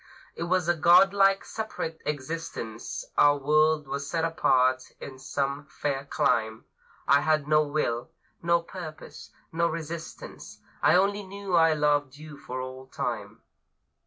It was a godlike separate existence; Our world was set apart in some fair clime. I had no will, no purpose, no resistance; I only knew I loved you for all time.